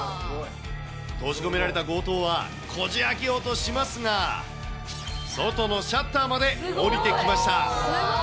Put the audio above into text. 閉じ込められた強盗は、こじあけようとしますが、外のシャッターまで下りてきました。